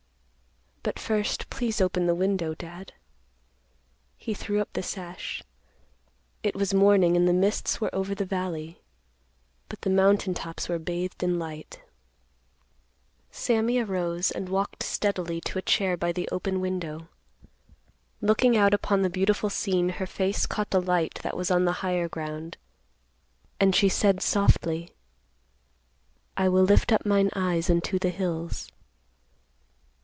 But first, please open the window, Dad." He threw up the sash. It was morning, and the mists were over the valley, but the mountain tops were bathed in light. Sammy arose, and walked steadily to a chair by the open window. Looking out upon the beautiful scene, her face caught the light that was on the higher ground, and she said softly, "'I will lift up mine eyes unto the hills.